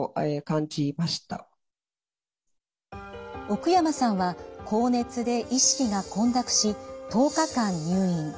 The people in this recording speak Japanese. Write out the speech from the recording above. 奥山さんは高熱で意識が混濁し１０日間入院。